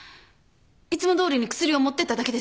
いつもどおりに薬を持ってっただけです。